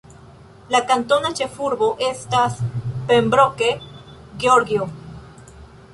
La kantona ĉefurbo estas Pembroke, Georgio.